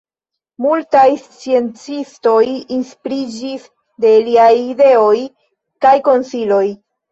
Multaj sciencistoj inspiriĝis de liaj ideoj kaj konsiloj.